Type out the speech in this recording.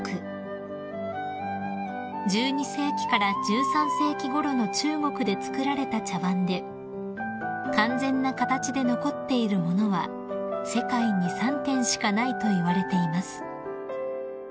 ［１２世紀から１３世紀ごろの中国で作られた茶わんで完全な形で残っている物は世界に３点しかないといわれています］